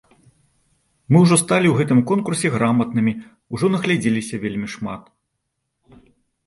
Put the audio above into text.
Мы ўжо сталі ў гэтым конкурсе граматнымі, ужо наглядзеліся вельмі шмат.